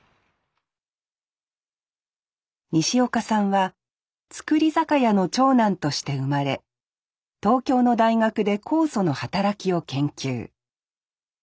西岡さんは造り酒屋の長男として生まれ東京の大学で酵素の働きを研究。